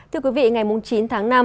thưa quý vị ngày chín tháng năm